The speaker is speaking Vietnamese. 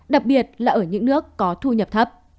đặc biệt là ở những nước có thu nhập thấp